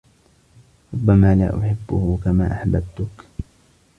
ربّما لا أحبّه كما أحببتك.